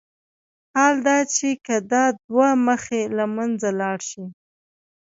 حال دا چې که دا دوه مخي له منځه لاړ شي.